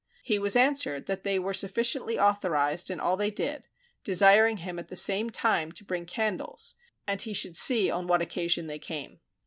He was answered that they were sufficiently authorised in all they did, desiring him at the same time to bring candles and he should see on what occasion they came.